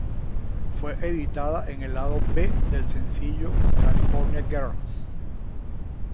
Fue editada en el lado B del sencillo "California Girls".